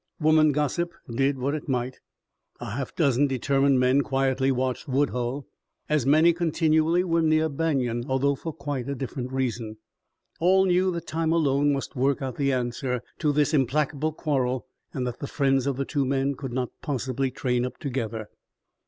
Woman gossip did what it might. A half dozen determined men quietly watched Woodhull. As many continually were near Banion, although for quite a different reason. All knew that time alone must work out the answer to this implacable quarrel, and that the friends of the two men could not possibly train up together.